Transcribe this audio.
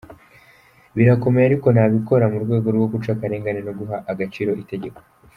Birakomeye ariko nabikora mu rwego rwo guca akarengane no guha agaciro itegeko".